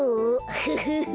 フフフ。